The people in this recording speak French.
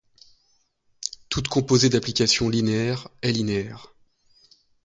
Toute composée d'applications linéaires est linéaire.